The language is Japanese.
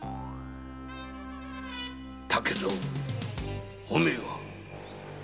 竹蔵お前は？